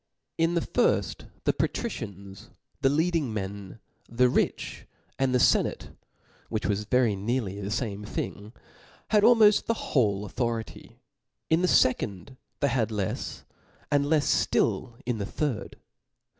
In the firft the patricians, the leading men, the rich, and the fenate, which was very near the fame thing, had almoft the whole authority ; in the fe cond they had lefs ; and lefs ftill in the third.